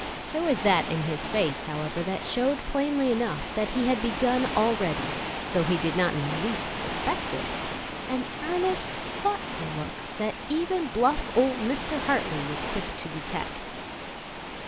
There was that in his face, however, that showed plainly enough that he had begun already, though he did not in the least suspect it; an earnest, thoughtful look that even bluff old Mr. Hartley was quick to detect.